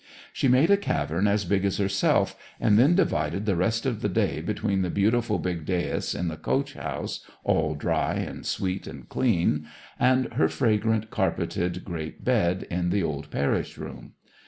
She made a cavern as big as herself, and then divided the rest of the day between the beautiful big dais in the coach house, all dry, and sweet, and clean, and her fragrant, carpeted great bed in "th'old parish room."